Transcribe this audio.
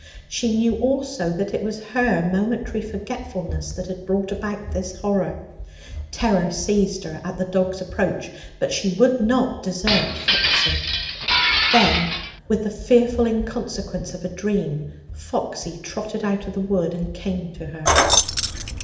She knew also that it was her momentary forgetfulness that had brought about this horror. Terror seized her at the dogs' approach, but she would not desert Foxy. Then, with the fearful inconsequence of a dream, Foxy trotted out of the wood and came to her.